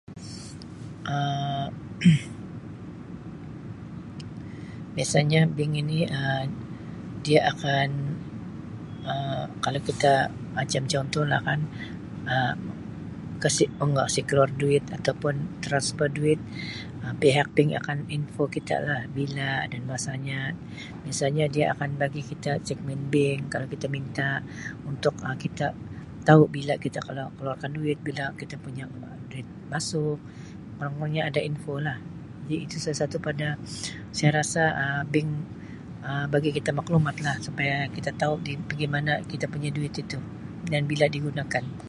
"Um Biasanya bank ini Um dia akan Um kalau kita macam contoh lah kan Um [unintelligible] kasi kasi keluar duit atau pun ""transfer"" duit Um pihak bank akan info kita lah bila dan masa nya misalnya dia akan bagi kita ""statement"" bank kalau kita minta untuk Um kita tau bila kita kana keluarkan duit bila kita punya duit masuk [unintelligible] nya ada info lah jadi itu salah satu pada saya rasa Um bank Um bagi kita maklumat lah supaya kita tau pigi mana kita punya duit itu dan bila digunakan. "